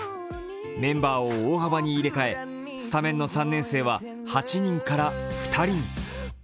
メンバーを大幅に入れ替えスタメンの３年生は８人から２人に。